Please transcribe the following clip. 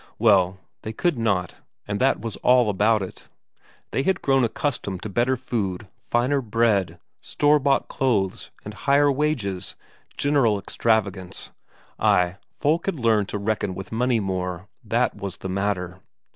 Well, they could not, and that was all about it. They had grown accustomed to better food, finer bread, store bought clothes and higher wages, general extravagance ay, folk had learned to reckon with money more, that was the matter.